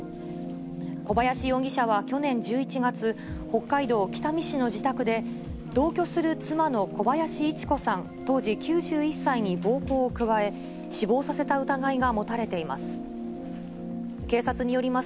小林容疑者は去年１１月、北海道北見市の自宅で、同居する妻の小林一子さん当時９１歳に暴行を加え、死亡させた疑いが持たれています。